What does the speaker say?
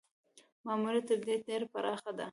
ماموریت تر دې ډېر پراخ دی.